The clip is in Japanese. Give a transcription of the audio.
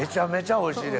おいしい。